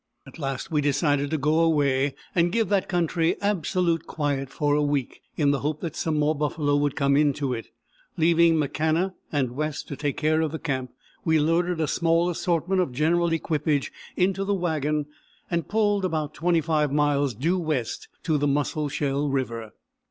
At last we decided to go away and give that country absolute quiet for a week, in the hope that some more buffalo would come into it. Leaving McCanna and West to take care of the camp, we loaded a small assortment of general equipage into the wagon and pulled about 25 miles due west to the Musselshell River.